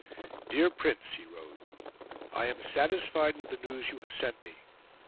"Dear Prince," he wrote, "I am satisfied with the news you have sent me.